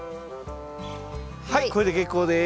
はいこれで結構です。